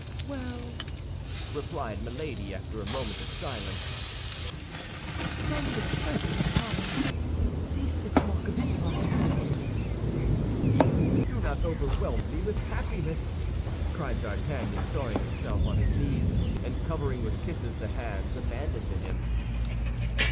"Well," replied Milady, after a moment of silence, "from the present time, cease to talk of impossibilities." "Do not overwhelm me with happiness," cried D'Artagnan, throwing himself on his knees, and covering with kisses the hands abandoned to him.